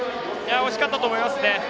惜しかったと思いますね。